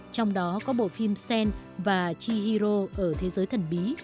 trong đó có bộ phim sen và chihiro ở thế giới thần bí